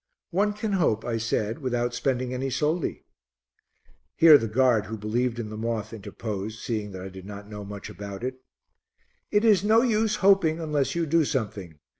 "One can hope," I said, "without spending any soldi." Here the guard who believed in the moth interposed, seeing that I did not know much about it "It is no use hoping unless you do something.